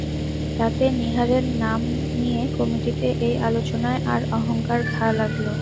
তাতে নীহারের নাম নিয়ে কমিটিতে এই আলোচনায় তার অহংকারে ঘা লাগল।